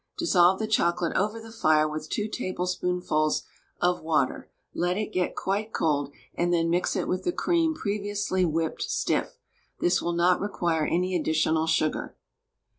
Dissolve the chocolate over the fire with 2 tablespoonfuls of water; let it get quite cold, and then mix it with the cream previously whipped stiff; this will not require any additional sugar.